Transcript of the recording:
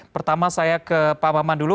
pertama saya ke pak maman dulu